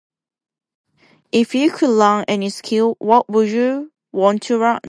If you could learn any skill, what would you want to learn?